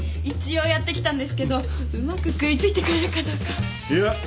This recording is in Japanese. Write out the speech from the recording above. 一応やってきたんですけどうまく食い付いてくれるかどうか。